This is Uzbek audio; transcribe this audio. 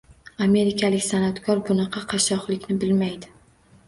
Amerikalik san’atkor bunaqa qashshoqlikni bilmaydi